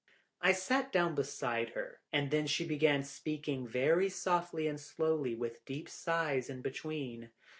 I sat down beside her, and then she began, speaking very softly and slowly, with deep sighs in between.